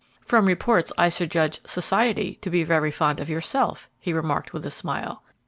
"From reports, I should judge 'society' to be very fond of yourself," he remarked, with a smile.